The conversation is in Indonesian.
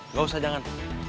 nggak usah jangan